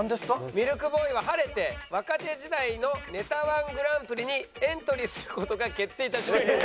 ミルクボーイは晴れて若手時代のネタ−１グランプリにエントリーする事が決定いたしました。